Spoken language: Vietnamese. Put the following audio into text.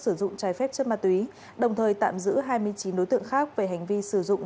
sử dụng trái phép chất ma túy đồng thời tạm giữ hai mươi chín đối tượng khác về hành vi sử dụng